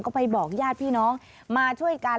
ก็ไปบอกญาติพี่น้องมาช่วยกัน